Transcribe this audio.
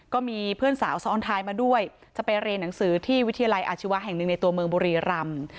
ก็มีเพื่อนสาวซ้อนท้ายมาด้วยจะไปเรียนหนังสือที่วิทยาลัยอาชีวะแห่งหนึ่งในตัวเมืองบุรีรำ